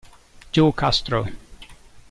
Joe Castro